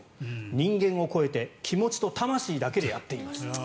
人間を超えて気持ちと魂だけでやっていました。